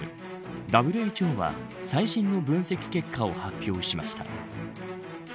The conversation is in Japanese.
ＷＨＯは、最新の分析結果を発表しました。